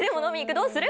どうする？